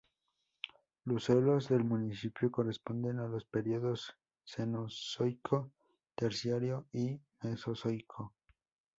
Los suelos del municipio corresponden a los periodos cenozoico, terciario y mesozoico.